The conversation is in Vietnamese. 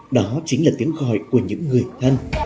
đó chính là tiếng gọi của những người thân